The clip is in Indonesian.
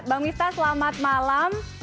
bang miftah selamat malam